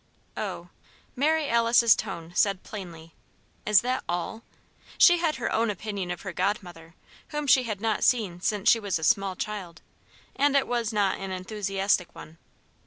"Oh!" Mary Alice's tone said plainly: Is that all? She had her own opinion of her godmother, whom she had not seen since she was a small child, and it was not an enthusiastic one.